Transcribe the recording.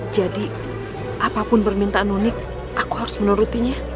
jadi apapun permintaan nuni aku harus menurutinya